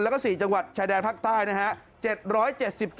แล้วก็๔จังหวัดชายแดนภาคใต้นะฮะ